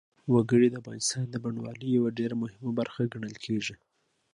وګړي د افغانستان د بڼوالۍ یوه ډېره مهمه برخه ګڼل کېږي.